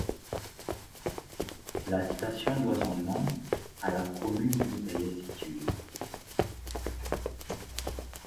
La station doit son nom à la commune où elle est située.